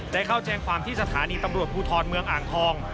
เข้าแจ้งความที่สถานีตำรวจภูทรเมืองอ่างทอง